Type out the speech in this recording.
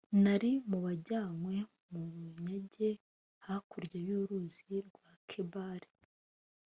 nari mu bajyanywe mu bunyage hakurya y’uruzi rwa kebari